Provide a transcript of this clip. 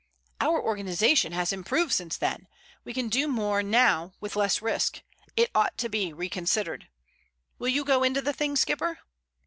"Our organization has improved since then. We can do more now with less risk. It ought to be reconsidered. Will you go into the thing, skipper?"